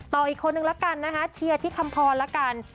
ต่ออีกคนนึงละกันนะคะเชียร์ที่คำพรละกัน